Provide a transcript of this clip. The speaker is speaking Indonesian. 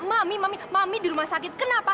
mami mamik mami di rumah sakit kenapa